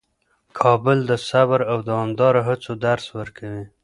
کابل د صبر او دوامداره هڅو درس ورکوي.